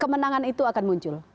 kemenangan itu akan muncul